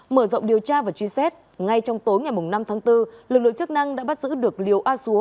mở rộng điều tra và truy xét ngay trong tối ngày năm tháng bốn lực lượng chức năng đã bắt giữ được liều a xúa